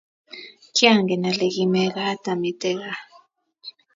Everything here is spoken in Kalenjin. kiangen ale ki mekat amite gaa